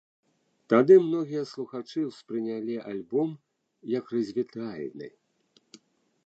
Тады многія слухачы ўспрынялі альбом, як развітальны.